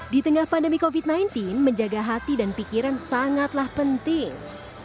di tengah pandemi covid sembilan belas menjaga hati dan pikiran sangatlah penting